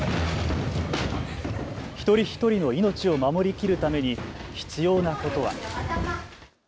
一人一人の命を守りきるために必要なことは。